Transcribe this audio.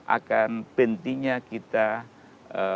akan pentingnya kita memiliki pendidikan yang berbeda